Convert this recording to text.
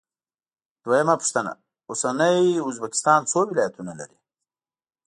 دویمه پوښتنه: اوسنی ازبکستان څو ولایتونه لري؟